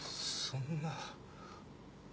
そんな。